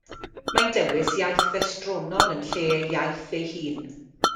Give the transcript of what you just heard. Mae'n dewis iaith estronol yn lle ei iaith ei hun.